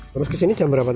terus kesini jam berapa tadi